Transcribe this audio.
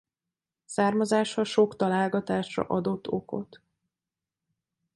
Származása sok találgatásra adott okot.